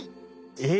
え！？